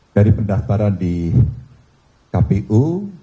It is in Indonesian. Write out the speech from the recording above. dari pendaftaran di kpu